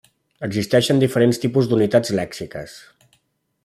Existeixen diferents tipus d'unitats lèxiques.